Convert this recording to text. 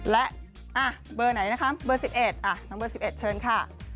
และเบอร์ไหนนะคะเบอร์๑๑น้องเบอร์๑๑เชิญค่ะ